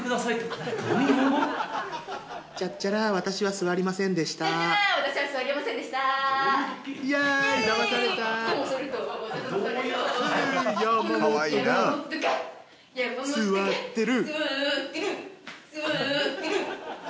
座ってる。